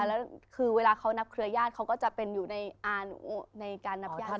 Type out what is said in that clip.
แล้วคือเวลาเขานับเครือญาติเขาก็จะเป็นอยู่ในอาหนูในการนับญาติ